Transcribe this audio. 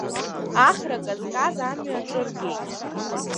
Ахра казказ амҩа аҿыргеит…